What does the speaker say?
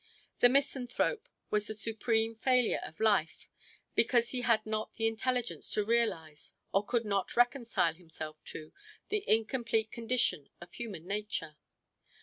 The misanthrope was the supreme failure of life because he had not the intelligence to realize, or could not reconcile himself to, the incomplete condition of human nature.